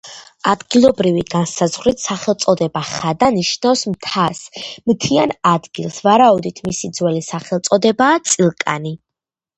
ადგილობრივი განსაზღვრით სახელწოდება „ხადა“ ნიშნავს მთას, მთიან ადგილს, ვარაუდით მისი ძველი სახელწოდებაა წილკანი.